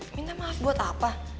minta maaf buat apa